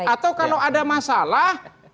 atau kalau ada masalah